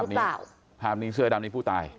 นี่คือผู้ตายนะฮะภาพนี้ภาพนี้เชื้อในตามนี้ผู้ตาย